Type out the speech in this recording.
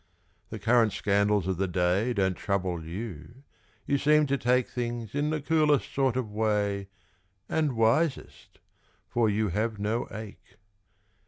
The current scandals of the day Don't trouble you you seem to take Things in the coolest sort of way And wisest for you have no ache.